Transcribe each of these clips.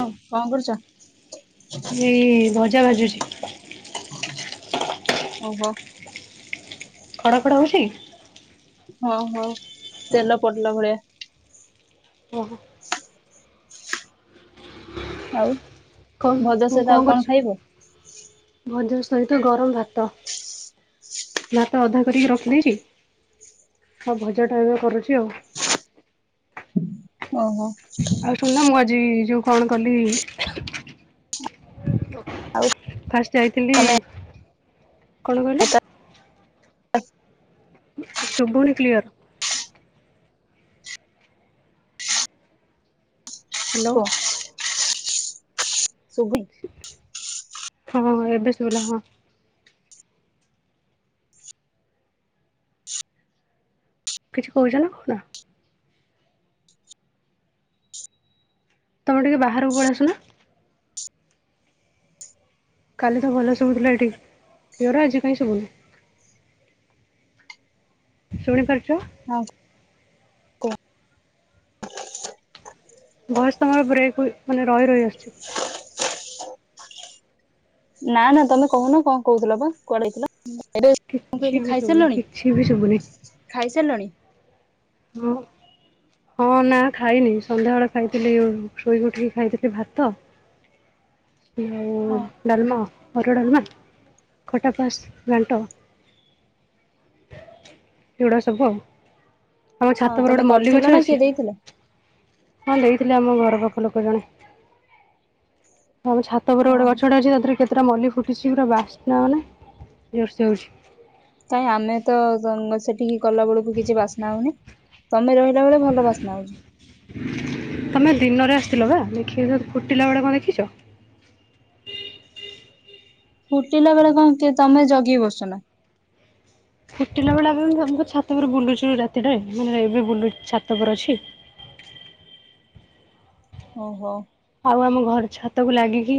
ହଁ କଣ କରୁଛ? ଏଇ ଭଜା ବାଜୁଛି ଓହୋ ଖଡ଼ ଖଡ଼ ହଉଛି ହଁ ହଁ ତେଲ ପଡିଲା ଭଳିଆ ଓହ ଆଉ ଭଜା କଣ ସହିତ ଆଉ କଣ ଖାଇବ ମଜ ସହିତ ଗରମ୍ ଭାତ ଭାତ ଅଧା କରିକି ରଖିଦେଇଛି ଭଜା ଟା ଏବେ କରୁଛି ଆଉ ଓହୋ ଶୁଣନା ମୁଁ ଆଜି ଯୋ କଣ କଲି ଆଉ ଯାଇଥିଲି ତମେ କଣ କହିଲ ହ [unintelligible] ଶୁଭୁ ନି କ୍ଲିଅର୍ ହ୍ୟାଲୋ ହ ଶଭାଇ [unintelligible] ହଁ ହଁ ଏବେ ସ ଭୁଲା ହଁ କିଛି କହୁଛ ନା କଣ ତମେ ଟିକେ ବାହାରକୁ ପଳେଇ ଆସୁନ କାଲି ତ ଭଲ ଶୁଭୁଥିଲା ଏଠିକି ପିଓର ଆଜି କାଇଁ ଶୁଭୁନି ଶୁଣିପାରୁଚ? ହଁ କୁହ ବୟସ ତମର ବ୍ରେକ୍ ମାନେ ରହି ରହି ଆସୁଚି [unintelligible] ନା ନା ତମେ କହୁନ କଣ କହୁଥିଲ ବା କୁଆଡେଇଥିଲ? କିଛି ବି ଶୁବୁନି କିଛି ବି ଶୁବୁନି ଖାଇସାଇଲଣି? ହଁ ହଁ ନା ଖାଇନି ସନ୍ଧ୍ୟାବେଳେ ଖାଇଥିଲି ଶୋଇ ଉଠିକି ଖାଇଥିଲି ଭାତ ଆଉ ହଁ ଡାଲ୍ମା ହରଡ ଡାଲ୍ମା ଖଟା ପସ ଘାଣ୍ଟ। ଏଗୁଡା ସବୁ ଆଉ ଆମ ହଁ ଛାତ ଉପରେ ତମେ ଗୋଟେ ମଲ୍ଲୀ କରିଥିଲ ଗଛ ଗୋଟେ ନା କିଏ ଅଛି ଦେଇଥିଲା? ହଁ ଦେଇଥିଲେ ଆମ ଘର ପାଖ ଲୋକ ଜଣେ। ଆମ ଛାତ ଉପରେ ଗୋଟେ ଓହୋ ଗଛଟା ଅଛି ତା ଦେହରେ କେତେଟା ମଲ୍ଲୀ ଫୁଟିଛି ପୁରା ବାସ୍ନା ମାନେ ଜୋରସେ ହଉଚି କାଇହିଁ ଆମେ ତ ସେଠିକି ଗଲା ବେଳକୁ କିଛି ବାସ୍ନା ହଉନି ତମେ ରହିଲେ ତେବେଳେ ଭଲ ବାସ୍ନା ହଉଚି। ତମେ ଦିନରେ ଆସିଥିଲ ବା ଦେଖିବ ଫୁଟିଲା ବେଳେ କଣ ଦେଖିଚ। ଫୁଟିଲା ବେଳେ କଣ କି ତମେ ଜଗି ବତ୍ସ ନା ଫୁଟିଲା ବେଳେ ଆମେ ଆମ ଛାତ ଉପରେ ବୁଲୁଛୁ ରାତିରେ ମାନେ ଏବେ ବୁଲୁ ଛାତ ଉପରେ ଅଛି। ଓହୋ ଆଉ ଆମ ଘର ଛାତକୁ ଲାଗିକି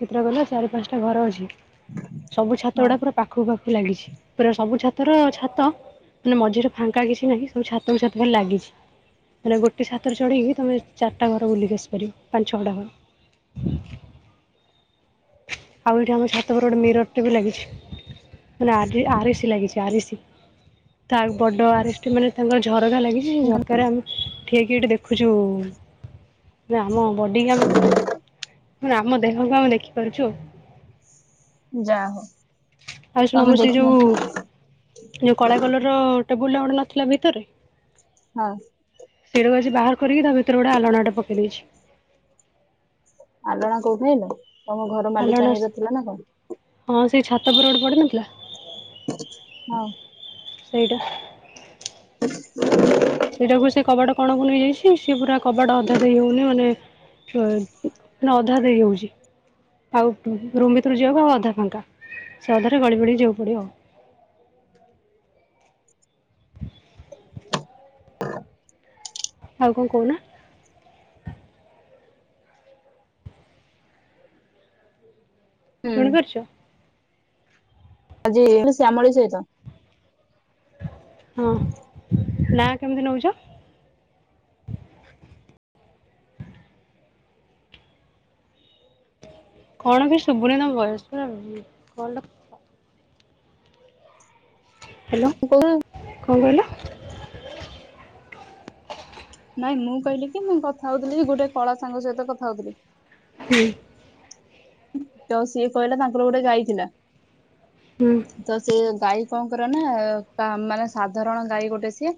କେତେଟା ଗଲା ଚାରି ପାଞ୍ଚଟା ଘର ଅଛି। ସବୁ ଛାତ ହଁ ଗୁଡା ପୁରା ପାଖକୁ ପାଖକୁ ଲାଗିଛି ପୁରା ସବୁ ଛାତର ଛାତ ମାନେ ମଝିରେ ଫାଙ୍କା କିଛି ନାହିଁ ସବୁ ଛାତ କୁ ଛାତ ଲାଗିଚି। ମାନେ ଗୋଟିଏ ଛାତରେ ଚଡ଼ିକି ତମେ ଚାର୍ତା ଘର ବୁଲି ଆସିପାରିବ ପାଞ୍ଚ ଛଅ ଖଣ୍ଡେ ଆଉ ଏଇଠି ଆମ ଛାତ ଉପର ଗୋଟେ ମିରର ଟେ ବି ଲାଗିଛି ମାନେ ଆ ଆରିଷି ଲାଗିଛି ଆରିସୀ। ତା ବଡ ଆରସ୍ ମାନେ ତାଙ୍କର ଝରକା ଲାଗିଛି ସେ ଝରକାରେ ଆମେ ଠିଆହେଇକି ଏଠି ଦେଖୁଛୁ ନା ଆମ ବଡିବାମ୍ ମୁଁ ଆମ ଦେହକୁ ଆମେ ଦେଖିପାରୁଛୁ। ଯା ହଉ। ଆଉ ଶୁଣ ତମେ ଆମର ସେଇ ଯୋଉ ଦେଖିନଥିଲ ଯୋଉ କଳା କଲର ର ଟେବୁଲ ଟା ଗୋଟେ ନଥିଲା ଭିତରେ ହଁ ସେଇଟାକୁ ଆଛି ବାହାର କରିକି ତା ଭିତରେ ଗୋଟେ ଆଲଣାଟା ପକେଇ ଦେଇଚି। ଆଲଣା କୋଉଠି ହେଲ ତମ ଘର ଆଲଣା ମାଲିକାଣୀ ର ଥିଲା ନା କଣ? ହଁ ସେଇ ଛାତ ଉପରେ ଗୋଟେ ପଡିନଥିଲା ହଁ ସେଇଟା। [inaudible] ସେଇଟାକୁ ସେ କବାଟ କଣ କୁ ନେଇଯାଇଛି ସେି ପୁରା କବାଟ ଅଧା ଦେଇ ହଉନି ମାନେ ଅଧା ଦେଇ ହୋଉଚି। ଆଉ ରୁମ୍ ଭିତରୁ ଯିବାକୁ ଆଉ ଅଧା ଫାଙ୍କା ସେ ଅଧାରେ ଗଳି ଫଳ ଯିବାକୁ ପଡ଼ିଆଉ। ଆଉ କଣ କହୁନା? ହୁଁ ଶୁଣିପାରୁଛ ଆଜି ଶ୍ୟାମଳୀ ସହିତ। ହଁ ନା କେମିତି ନଉଚ? କଣ କି ଶୁଭୁନି ତମ ବୋଇସ କଣ ହ୍ୟାଲୋ କହୁନୁ। କଣ କହିଲ? ନାଇଁ ମୁଁ କହିଲି କି ମୁଁ କଥା ହଉଥିଲି ଗୋଟେ କଳା ସାଙ୍ଗ ସହିତ କଥା ହଉଥିଲି। ହୁଁ ଜୋ ସଏେ କହିଲା ତାଙ୍କ କୋ କାଇକଥିଲା ହୁଁ ତ ସେ ଗାଈ କଣ କର ନା ମାନେ ସାଧାରଣ ଗାଈ ଗୋଟେ ସିଏ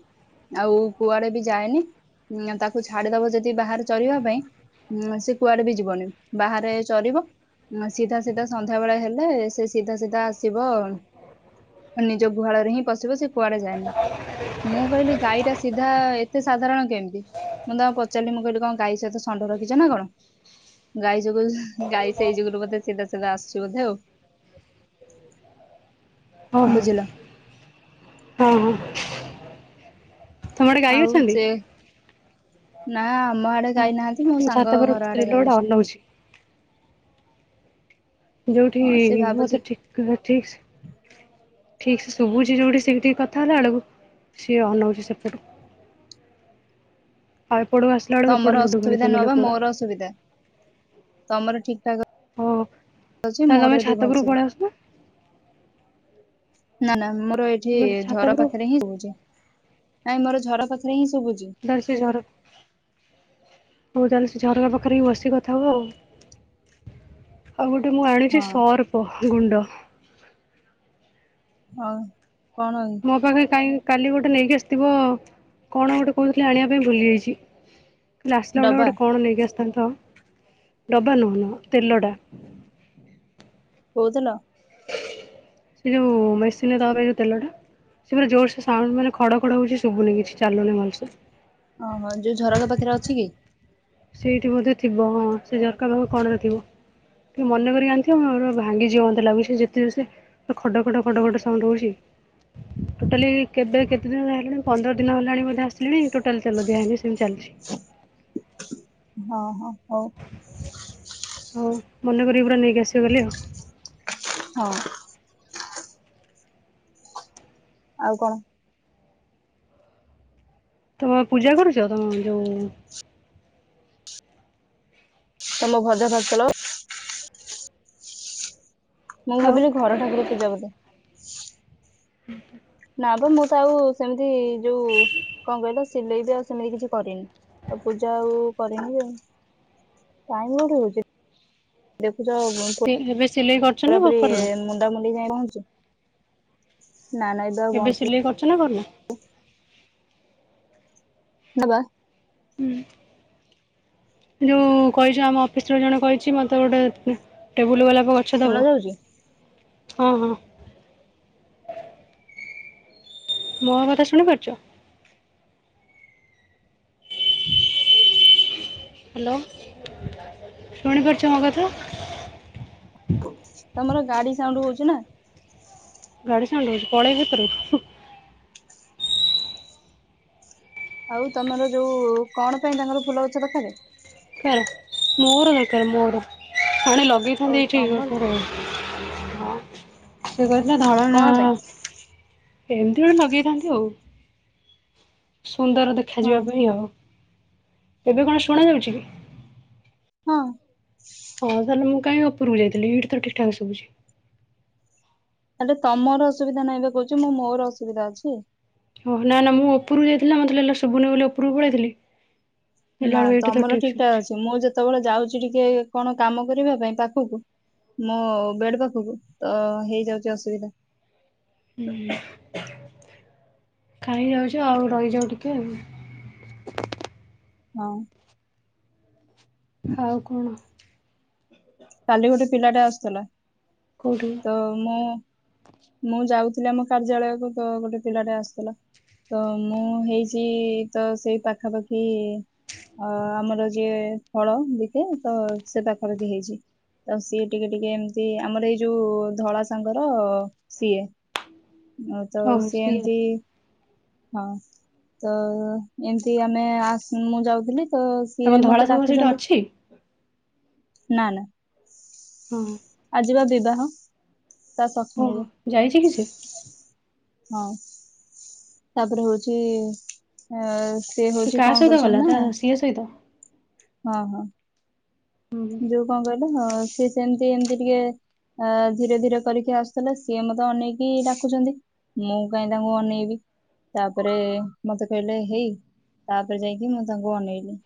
ଆଉ କୁଆଡେ ବି ଯାଏନି ତାକୁ ଛାଡିଦବ ଯଦି ବାହାରେ ଚଲିବା ପାଇଁ ହୁଁ ସେ କୁଆଡେ ବି ଯିବନି ବାହାରେ ଚରିବ ସିଧା ସିଧା ସନ୍ଧ୍ୟା ବେଳେ ହେଲେ ସେ ସିଧା ସିଧା ଆସିବ ଆ ନିଜ ଗୁହାଳରେ ହିଁ ପଶିବ ସେ କୁଆଡେ ଯାଏନି ମୁଁ କହିଲି ଗଈଟା ସିଧା ଏତେ ସାଧାରଣ କେମିତି? ମୁଁ ତଉ ପଚାରିଲି ମୁଁ କହିଲି କଣ ଗାଈ ସହିତ ଷଣ୍ଢ ରଖିଛ ନା କଣ ଗଈ ସବୁ ଗାଈ ସେଇ ଯୁଗରୁ ବୋଧେ ସିଧାସିଧା ଆସ ବୋଧେଉ ହଁ ହୋ ବୁଝିଲ ହଁ ହୋ ଆଉ ସେ ନା ଆମ ଆଡେ ଆଚ୍ଛା ଗାଇନାହାନ୍ତି ମୋ ମୁଁ ଛାତ ସାଙ୍ଗ ଉପରେ ଗୋଟେ ଘର ସ୍ତ୍ରୀ ଆଡେ ଗାଇ ଲୋକଟା ଅଛୁ। ଅନଉଛି। ଯୋଉଠି ହଁ ସେ ଭାବୁଛି ମତେ ଠିକ ଠିକ ସେ ଠିକ ସେ ଶୁଭୁଛି ଯୋଉଠି ସେି ଟିକେ କଥା ହେଲା ବେଳକୁ ସିଏ ଅନଉଛି ସେପଟୁ। ଆଉ ପଡ଼ୁ ଆସୁ ତମର ଅସୁବିଧା ନୁହ ବା ମୋର ଅସୁବିଧା ତମର ଠିକ ଠାକ ହଉ ଅଛି ତାହେଲେ ମୋର ତମେ ଏଠି ଛାତ ଭଲସେ ଉପୁରକୁ ପଳେଇ ଆସ ନା। ନା ନା ମୋର ଏଇଠି ତମେ ଛାତ ଝର ଉପରକୁ ପାଖରେ ହିଁ ଶୁଭୁଛି ନାଇଁ ମୋର ଝର ପାଖରେ ହିଁ ଶୁଭୁଛି। ଦରଶ ଜର ହଉ ତାହେଲେ ସେ ଝରକା ପାଖରେ ବିି ବସିକ କଥା ହବ ଆଉ। ଆଉ ଗୋଟେ ମୁଁ ଆଣିଛି ହଁ ସର୍ପ ଗୁଣ୍ଡ। ହଉ କଣ ଅଛି? ମୋ ପାଖେ କାଇ କାଲି ଗୋଟେ ନେଇକି ଆସିଥିବ କଣ ଗୋଟେ କହୁଥିଲେ ଆଣିବା ପାଇଁ ଭୁଲିଯାଇଛି। ଆସିଲା ବେଳେ ଡବା ଗୋଟେ କଣ ନେଇକି ଆସିଥାନ୍ତ, ଡବା ନୁହନ ତେଲ ଟା। କୋଉ ତେଲ? ସେ ଯୋଉ ମେସିନ ଦବା ପାଇଁ ଯୋଉ ତେଲ ଟା। ସେ ଜୋରସ ସେ ମାନେ ଖଡ ଖଡ ହଉଛି ଶୁଭୁନି କିଛି ଚାଲୁନି ଭଲସେ। ଓହୋ ଯୋଉ ଝରକା ପାଖରେ ଅଛି କି? ସେଇଠି ବୋଧେ ଥିବ। ହଁ ସେ ଝରକା ପାଖରେ କଣରେ ଥିବ। ଟେ ମନେ କରିକି ଆଣିଥିବ, ନହେଲେ ଭାଙ୍ଗି ଯିବ ମତେ ଲାଗୁଛି ଯେତେ ଜୋର ସେ ତ ଖଡ ଖଡ ଖଡ ଖଡ ସାଉଣ୍ଡ ହଉଛି। ଟୋଟାଲି କେବେ କେତେ ଦିନ ହେଲାଣି, ପନ୍ଦର ଦିନ ହେଲାଣି ବୋଧେ ଆସ ଣି ଟୋଟାଲ ଚାଲ ଦେହାନି ସେମିତି ଚାଲିଛି। ହଁ ହଁ ହଉ। ହଉ ମନେ କରିକି ପୁରା ନେଇକି ଆସିବ ଗଲେ ଆଉ। ହଁ ଆଉ କଣ? ତମେ ପୂଜା କରୁଛ ତମ ଯୋଉ? ତମ [unintelligible] ମୁଁ ଆଉ ଭାବିଲି ଘର ଠାକୁର ପୂଜା ବୋଧେ। ହୁଁ ହ ନାପ ମୁଁ ତ ଆଉ ସେମିତି ଯୋଉ କଣ କହିଲ ସିଲେଇ ବି ଆଉ ସେମିତି କିଛି କରିନି। ଆଉ ପୂଜା ଆଉ କରିନି ଆଉ, ଟାଇମ କୋଉଠି ହଉଛି? ଦେଖୁଛ ସେ ଏବେ ସିଲେଇ କରୁଛ ନା ପୁରାପୁରି କରୁନ ମୁଣ୍ଡାମୁଣ୍ଡି ଯାଇ ରହୁଛି। ଏବେ ପହଞ୍ଚୁନି ସିଲେଇ କରୁଛ ନା କରୁନ? ନବା ହୁଁ ଯୋଉ କହିଛ ଆମ ଅଫିସ ର ଜଣେ କହିଛି, ମତେ ଗୋଟେ ଟେବୁଲ ଗଲାପ ଗଛ ଶୁଣା ଦବ। ଯାଉଛି ହଁ ହଁ। ମୋ କଥା ଶୁଣିପାରୁଛ? [inaudible] ହ୍ୟାଲୋ ଶୁଣିପାରୁଛ ମୋ କଥା? ତମର ଗାଡି ସାଉଣ୍ଡ ହଉଛ ନା। ଗାଡ଼ି ସାଉଣ୍ଡ ହଉଛି ପଳେଇବି ଭିତରୁକୁ। ଆଉ ତମର ଯୋଉ, କଣ ପାଇଁ ତାଙ୍କର ଫୁଲ ଗଛ ଦରକାର? ଦରକାର ମୋର ଦରକାର ମୋର ଆଣିକି ଆଉ ଲଗେଇଥାନ୍ତି ତମର ଏପଟ ର ସେ କହିଥିଲା ଧଳା କଣ ପାଇଁ ଆଣିବା। ଏମିତି ଗୋଟେ ଲଗେଇଥାନ୍ତି ଆଉ ସୁନ୍ଦର ଦେଖ ହଁ ଦେଖାଯିବା ପାଇଁ ଆଉ, ଏବେ କଣ ଶୁଣାଯାଉଛି କି? ହଁ। ହଁ ଭଲ ମୁଁ କାହିଁ ଉପରକୁ ଯାଇଥିଲି, ଏଇଠି ତ ଠିକଠାକ ଶୁଭୁଛି। ହେଲେ ତମର ଅସୁବିଧା ନାହିଁ ବା କହୁଛି ମୁଁ ମୋର ଅସୁବିଧା ଅଛି। ଓହ ନା ନା ମୁଁ ଉପରକୁ ଯାଇଥିଲ, ମତେ ଲାଗିଲା ଶୁଭୁନି ବୋଲି ଉପରକୁ ପଳେଇଥିଲି। ଦେଖିଲା ନା ବେଳକୁ ଏଇଠି ତ ତମର ଠିକ୍ ଠିକ ଠାକ ଶୁଭୁଛି ଅଛି, ମୁଁ ଯେତେବେଳେ ଯାଉଛି ଟିକେ କଣ କାମ କରିବା ପାଇଁ ପାଖକୁ ମୋ ବେଡ ପାଖକୁ, ତ ହେଇଯାଉଛି ଅସୁବିଧା। କାହିଁ ଯାଉଛ ଆଉ ରହିଯାଅ ଟିକେ। ହଁ। ଆଉ କଣ? କାଲି ଗୋଟେ ପିଲାଟା ଆସୁଥିଲା। କୋଉଠି? ତ ମୁଁ ମୁଁ ଯାଉଥିଲି ଆମ କାର୍ଯ୍ୟାଳୟକୁ ତ ଗୋଟେ ପିଲାଟେ ଆସୁଥିଲା। ତ ମୁଁ ହେଇଛି ତ ସେଇ ପାଖାପାଖି ଅ ଆମର ଯିଏ ଫଳ ବିକେ ତ ସେ ପାଖପଖି ହେଇଛି। ଆ ସିଏ ଟିକେ ଟିକେ ଏମିତି ଆମର ଏଇ ଯୋଉ ଧଳା ସାଙ୍ଗର ସିଏ। ଓ ତ ଓହୋ ସେ ସିଏ ଏମତି ହଁ, ତ ଏମିତି ଆମେ [unintelligible] ମୁଁ ଯାଉଥିଲି। ତ ତମ ସିଏ ଧଳା ମତେ ସାଙ୍ଗ ସେଇଠି ଡାକୁଛନ୍ତି। ଅଛି ନା ନା। ହଁ ଆଜିିବା ବିବାହ। ତା [unintelligible] ରେ, ଓହୋ ଯାଇଛି କି ସେ ହଁ। ତାପରେ ହଉଛି, ଅ ସେ ହଉଛି କାହା କଣ ସହିତ କରୁଛନ୍ ଗଲା ନା [unintelligible] ସହିତ। ହଁ ହଁ। ଯୋଉ କଣ କହିଲୁ, [unintelligible] ସି ସେମିତି ଏମିତି ଟିକେ ଅ ଧୀରେ ଧୀରେ କରିକି ଆସୁଥିଲେ, ସିଏ ମତେ ଅନେଇକି ଡାକୁଛନ୍ତି। ମୁଁ କାଇଁ ତାଙ୍କୁ ଅନେଇବି। ତାପରେ ମତେ କହିଲେ ହେଇ, ତାପରେ ଯାଇକି ମୁଁ ତାଙ୍କୁ ଅନେଇଲି।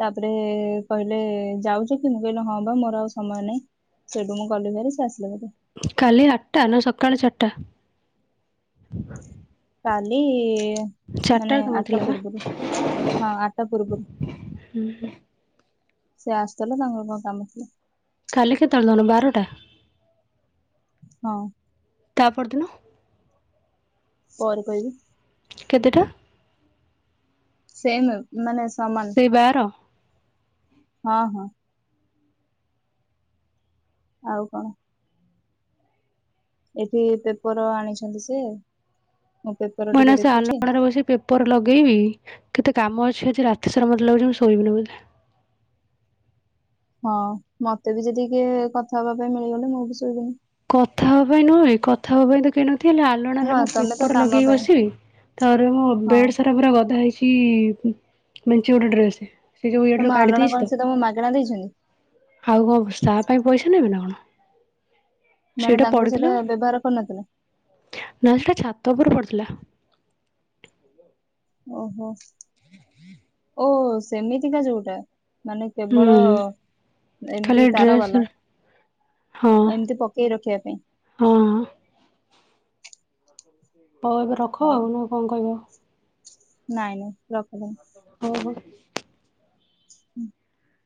ତାପରେ କହିଲେ ଯାଉଛ କି? ମୁଁ କହିଲି ହଁ ବା ମୋର ଆଉ ସମୟ ନାହିଁ, ସେଇଠୁ ମୁଁ ଗଲି ଭାରି ସେ ଆସିଲେ ଭାରି। କାଲି ଆଠଟା ନା ସକାଳ ଚାଟା? [inaudible] କାଲି ମାନେ ଚାରିଟାରେ ତମର ଆଟା ଥିଲା ବା ପୂର୍ବରୁ। ହଁ, ଆଠା ପୂର୍ବରୁ। ହୁଁ ହୁଁ। ସେ ଆସୁଥିଲା, ତାଙ୍କର କଣ କାମ ଥିଲା। କାଲି କେତେବେଳେ ନହେଲେ ବାରଟା? ହଁ। ତା ପରଦିନ? ପରେ କହିବି। କେତେଟା? ସେମ, ମାନେ ସମାନ ସେଇ ବାର। ହଁ ହଁ। ଆଉ କଣ? ଏଠି ପେପର ଆଣିଛନ୍ତି ସେ। ମୁଁ ପେପର ମନା ଟିକେ ସେ ଦେଖୁଛି [unintelligible] [unintelligible] ଲଗେଇବି। କେତେ କାମ ଅଛି, ଆଜି ରାତିସାରା ମୋତେ ଲାଗୁଉଛି ମୁଁ ଶୋଇବିନି ବୋଧେ। ହଁ, ମତେ ବି ଯଦି ଟିକେ କଥା ହବା ପାଇଁ ମିଳିଗଲେ ମୁଁ ବି ଶୋଇବିନି। କଥା ହବା ପାଇଁ ନୁହଁରେ କଥା ହବା ପାଇଁ ତ କେଇ ନଥିବେ ହେଲେ ଆ ହଁ [unintelligible] ତମେ [unintelligible] ତ ପୁରା କାମ ପାଇଁ ହଁ ଗଧା ହେଇଛି, ମେଞ୍ଚେ ଗୋଟେ ଡ୍ରେସ। ସେ ଯୋଉ ଇଆଡରୁ ତମ କାଢି ଆଲଣ ଦେଇଛି ତ କଣ ସେ ତମ ମାଗଣା ଦେଇଛନ୍ତ? ଆଉ କଣ ତା ପାଇଁ ପଇସା ନେବେ ନା କଣ। ମାନେ ତାଙ୍କର ସେଇଟା ବ୍ୟବହାର କରିନଥିଲେ? ନା ସେଟା ଛାତ ଉପୁରୁ ପଡିଥିଲା। ଓହୋ। [unintelligible] ଓ ସେମିତିକା ଯୋଉଟା। ମାନେ କେବଳ ହୁଁ ଖାଲି ଏମିତି ତାର ଡ୍ରେସ ବାଲା ଏମିତି ପ କେ ରଖିଆ ପାଇଁ। ଅଁ। ହଉ ଏବେ ରଖ ହଉ ଆଉ ନ କଁ କହିବ। ନାଇଁ ନାଇଁ ରଖ [unintelligible] ଓ ହୋ। [unintelligible]